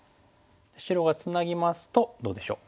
白がツナぎますとどうでしょう？